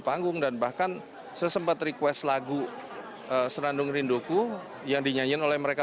panggung dan bahkan sesempet request lagu senandung rinduku yang dinyanyiin oleh mereka